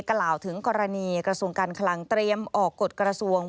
กล่าวถึงกรณีกระทรวงการคลังเตรียมออกกฎกระทรวง